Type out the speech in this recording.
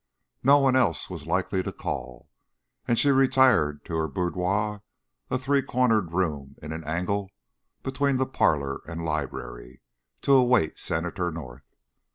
No one else was likely to call, and she retired to her boudoir, a three cornered room in an angle between the parlor and library, to await Senator North.